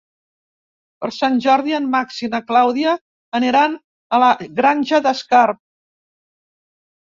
Per Sant Jordi en Max i na Clàudia aniran a la Granja d'Escarp.